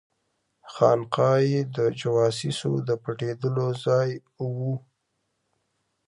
خانقاه یې د جواسیسو د پټېدلو ځای وو.